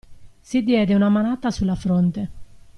Si diede una manata sulla fronte.